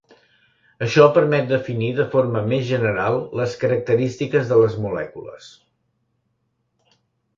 Això permet definir de forma més general les característiques de les molècules.